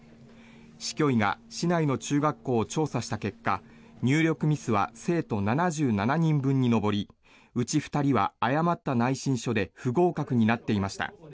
市教委が市内の中学校を調査した結果入力ミスは生徒７７人分に上りうち２人は誤った内申書で不合格になっていました。